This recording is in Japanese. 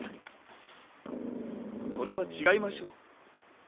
それは違いましょう。